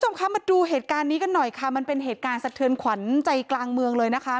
คุณผู้ชมคะมาดูเหตุการณ์นี้กันหน่อยค่ะมันเป็นเหตุการณ์สะเทือนขวัญใจกลางเมืองเลยนะคะ